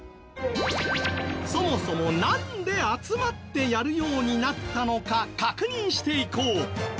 そもそもなんで集まってやるようになったのか確認していこう。